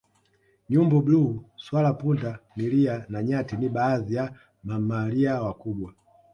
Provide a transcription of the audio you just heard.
Nyumbu bluu swala punda milia na nyati ni baadhi ya mamalia wakubwa